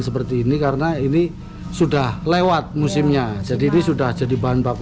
seperti ini karena ini sudah lewat musimnya jadi ini sudah jadi bahan baku